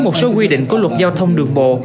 một số quy định của luật giao thông đường bộ